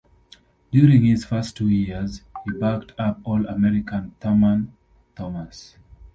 During his first two years, he backed up All-American Thurman Thomas.